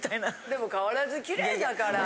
でも変わらず綺麗だから！